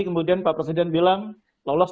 kemudian pak presiden bilang lolos